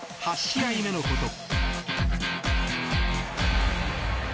８試合目のこと。